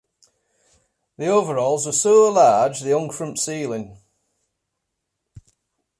The overalls were so large they hung from the ceiling.